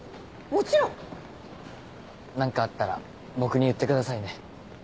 もちろん！何かあったら僕に言ってくださいね。